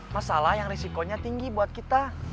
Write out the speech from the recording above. masalah yang risikonya tinggi buat kita